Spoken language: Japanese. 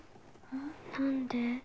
なんで？